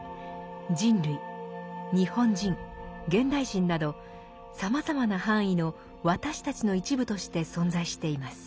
人類日本人現代人などさまざまな範囲の「私たち」の一部として存在しています。